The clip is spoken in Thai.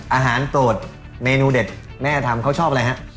อาหารโตดเมนูเด็ดแม่ทำเขาชอบอะไรครับ